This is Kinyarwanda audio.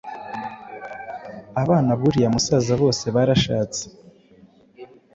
Abana b’uriya musaza bose barashatse.